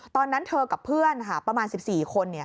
ตอนนั้นเธอกับเพื่อนประมาณ๑๔คน